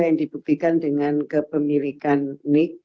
yang dibuktikan dengan kepemilikan nik